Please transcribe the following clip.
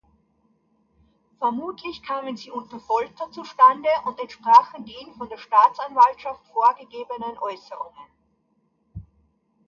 Vermutlich kamen sie unter Folter zustande und entsprachen den von der Staatsanwaltschaft vorgegebenen Äußerungen.